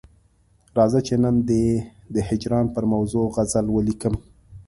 راځه چې نن دي د هجران پر موضوع غزل ولیکم.